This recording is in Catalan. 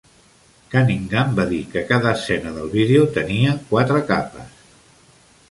Cunningham va dir que cada escena del vídeo tenia quatre capes.